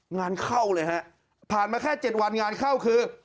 งานเข้าเลยฮะผ่านมาแค่๗วันงานเข้าคือ